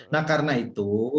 nah karena itu